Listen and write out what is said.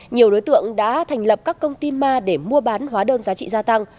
nhiều đối tượng đã thành lập các công ty ma để mua bán hóa đơn giá trị gia tăng